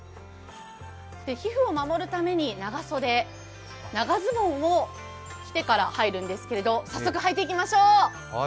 皮膚を守るために長袖、長ズボンを着てから入るんですけど、早速、入っていきましょう。